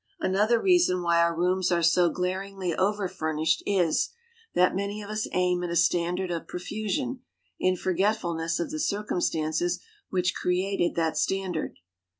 Another reason why our rooms are so glaringly over furnished is, that many of us aim at a standard of profusion, in forgetfulness of the circumstances which created that standard.